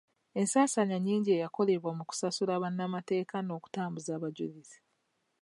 Ensasaanya nyingi eyakolebwa mu kusasula bannamateeka n'okutambuza abajulizi.